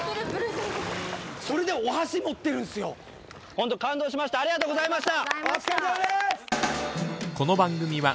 ホント感動しましたありがとうございました。